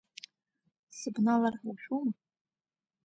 Сыбналар ҳәа ушәома?